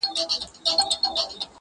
انساني وجدان ګډوډ پاتې کيږي تل,